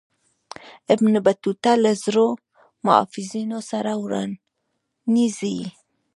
ابن بطوطه له زرو محافظینو سره روانیږي.